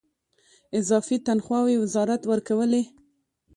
اضافي تنخواوې وزارت ورکولې.